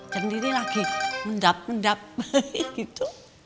sendiri lagi mendap mendap gitu